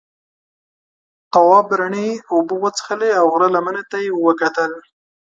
تواب رڼې اوبه وڅښلې او غره لمنې ته یې وکتل.